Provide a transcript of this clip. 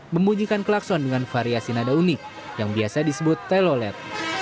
membunyikan klakson dengan variasi nada unik yang biasa disebut telolet